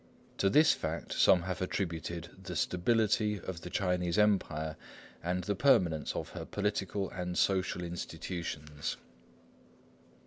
To this fact some have attributed the stability of the Chinese Empire and the permanence of her political and social institutions.